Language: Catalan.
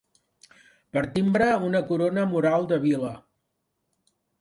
Per timbre una corona mural de vila.